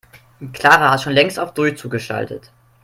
Clara hat schon längst auf Durchzug geschaltet.